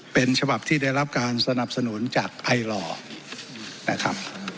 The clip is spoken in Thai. เป็นฉบับที่ได้รับการสนับสนุนจากไอหล่อนะครับ